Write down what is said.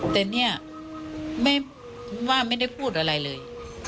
แต่เนี่ยว่าไม่ได้พูดอะไรเลย